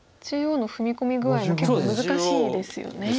中央の踏み込み具合も結構難しいですよね。